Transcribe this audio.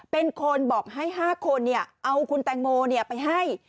เป็นคนบอกให้๕คนเอาคุณแตงโมไปให้